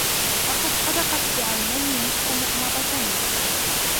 لقد حدَقَت بعينين نصف مُغمضتين.